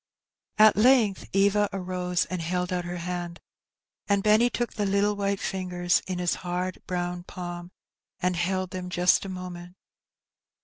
At length Era uose and held ont her hand, and Benn; '^■.^:.^& took the little white fingers in his hard browQ palm, and held them just for a moment.